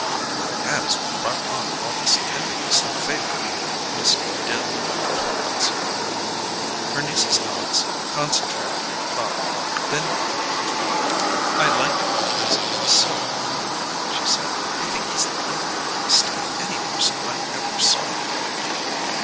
"What has brought on all this tenderness in favour of Mr. Dill, Florence?" Her niece's eyes, concentrated in thought, then became dreamy. "I like him because he's so uncouth," she said. "I think he's the uncouthest of any person I ever saw."